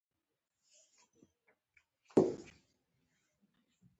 زه د سینما ټکټ اخلم.